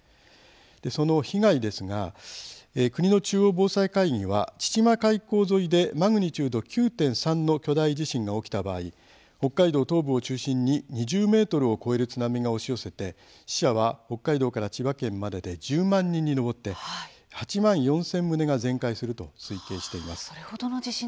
その被害ですが国の中央防災会議は千島海溝沿いでマグニチュード９．３の巨大地震が起きた場合北海道東部を中心に２０ｍを超える津波が押し寄せて死者は北海道から千葉県までで１０万人に上って８万４０００棟が全壊すると推計しています。